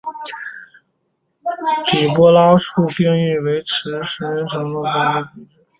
底波拉数定义为驰豫时间及观测时间尺度的比值。